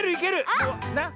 あっ！